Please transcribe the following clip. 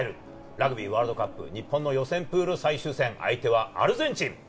ラグビーワールドカップ、日本の予選プール最終戦、相手はアルゼンチン。